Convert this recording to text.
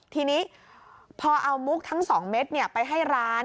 ทีนี้พอเอามุกทั้ง๒เม็ดไปให้ร้าน